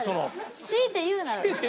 強いて言うならです。